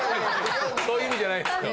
「そういう意味じゃないですよ」